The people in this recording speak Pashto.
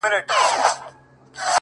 په دومره سپینو کي عجیبه انتخاب کوي ـ